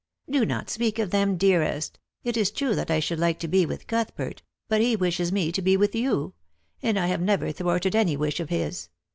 " Do not speak of them, dearest. It is true that I should like to be with Cuthbert, but he wishes me to be with you ; and I have never thwarted any wish of his.